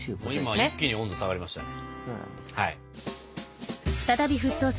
今一気に温度が下がりましたね。